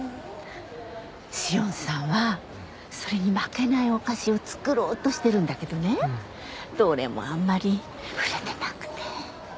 紫苑さんはそれに負けないお菓子を作ろうとしてるんだけどねどれもあんまり売れてなくて。